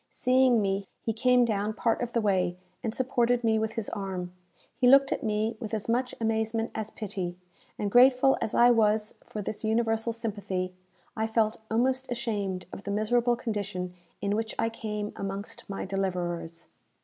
Seeing me, he came down part of the way, and supported me with his arm. He looked at me with as much amazement as pity, and, grateful as I was for this universal sympathy, I felt almost ashamed of the miserable condition in which I came amongst my deliverers.